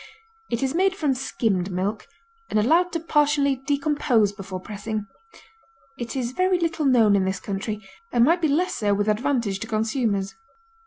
It is made from skimmed milk, and allowed to partially decompose before pressing. It is very little known in this country, and might be less so with advantage to consumers.